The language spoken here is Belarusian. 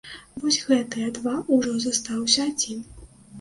Вось гэтыя два, ужо застаўся адзін.